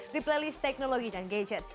di playlist teknologi dan gadget